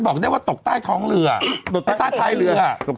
บอกได้ว่าตกใต้ท้องเหลือละละสำนักงานต้องหลวงแห่งชาติ